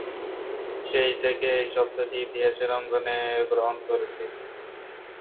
সেই থেকে এই শব্দটি ইতিহাসের অঙ্গনে গ্রহণ করেছে।